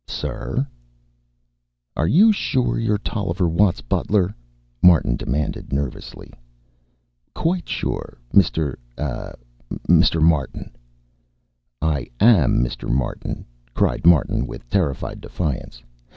"Sir?" "Are you sure you're Tolliver Watt's butler?" Martin demanded nervously. "Quite sure, Mr. eh Mr. Martin." "I am Mr. Martin," cried Martin with terrified defiance.